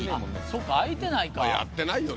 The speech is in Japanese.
そっか開いてないか。